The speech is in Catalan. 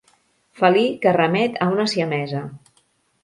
Felí que remet a una siamesa.